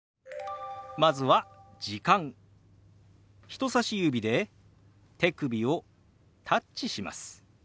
人さし指で手首をタッチします。